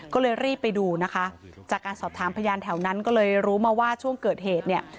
ก็เลยรีบไปดูนะคะจากการสอบถามพยานแถวนั้นก็เลยรู้มาว่าช่วงเกิดเหตุเนี่ย